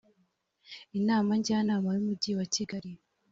inama njyanama y’umujyi wa kigali